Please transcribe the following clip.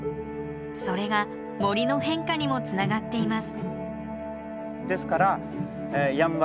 それが森の変化にもつながっています。